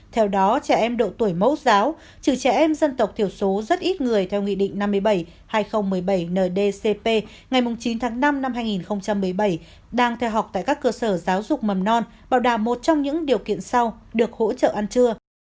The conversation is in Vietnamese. theo đó trẻ em độ tuổi mẫu giáo trừ trẻ em dân tộc thiểu số rất ít người theo nghị định năm mươi bảy hai nghìn một mươi bảy ndcp ngày chín tháng năm năm hai nghìn một mươi bảy đang theo học tại các cơ sở giáo dục mầm non bảo đảm một trong những điều kiện sau được hỗ trợ ăn trưa